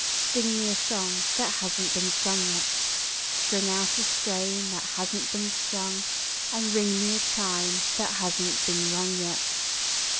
Sing me a song that hasn t been sung yet, String out a strain that hasn t been strung, And ring me a chime that hasn t been rung yet.